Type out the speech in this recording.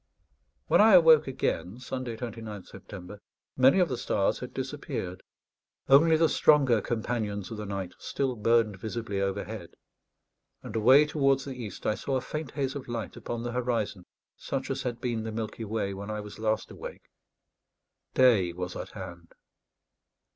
When I awoke again (Sunday, 29th September), many of the stars had disappeared; only the stronger companions of the night still burned visibly overhead; and away towards the east I saw a faint haze of light upon the horizon, such as had been the Milky Way when I was last awake. Day was at hand.